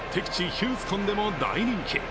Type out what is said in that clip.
ヒューストンでも大人気。